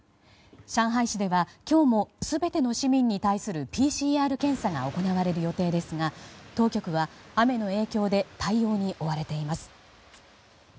上海市では今日も全ての市民に対するＰＣＲ検査が行われる予定ですが当局は雨の影響で対応に追われています。